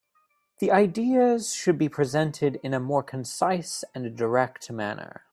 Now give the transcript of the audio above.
The ideas should be presented in a more concise and direct manner.